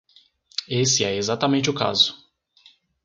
Esse é exatamente o caso.